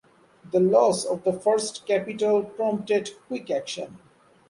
The loss of the first capitol prompted quick action.